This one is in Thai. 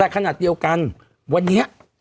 แต่ขณะเดียวกันตัวนี้